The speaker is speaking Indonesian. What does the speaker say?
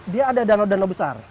dia ada danau danau besar